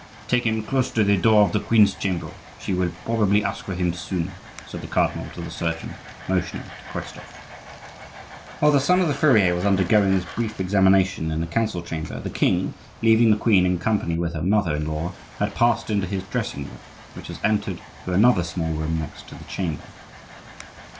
"Take him close to the door of the queen's chamber; she will probably ask for him soon," said the cardinal to the surgeon, motioning to Christophe. While the son of the furrier was undergoing this brief examination in the council chamber, the king, leaving the queen in company with her mother in law, had passed into his dressing room, which was entered through another small room next to the chamber.